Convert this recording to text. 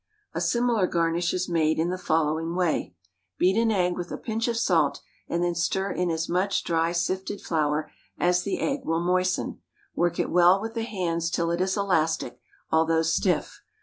A similar garnish is made in the following way: Beat an egg with a pinch of salt, and then stir in as much dry sifted flour as the egg will moisten; work it well with the hands till it is elastic, although stiff.